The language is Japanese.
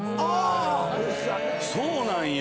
そうなんや。